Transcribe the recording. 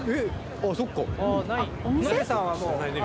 あっそっか。